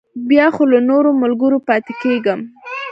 بیا خو له نورو ملګرو پاتې کېږم.